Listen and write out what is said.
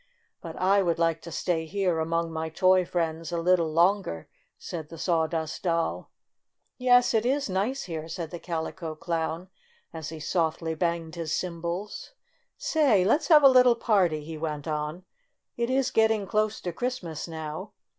"But I would like to stay here among my toy friends a little longer," said the Sawdust Doll. "Yes, it is nice here," said the Calico Clown, as he softly banged his cymbals. "Say, let's have a little party!" he went on. "It is getting close to Christmas now.